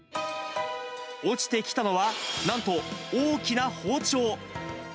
落ちてきたのは、なんと大きな包丁。